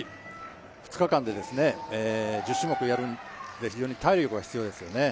２日間で１０種目やるので非常に体力が必要ですよね。